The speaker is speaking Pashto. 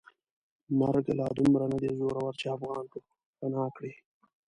مرګ لا دومره ندی زورور چې افغان پوپناه کړي.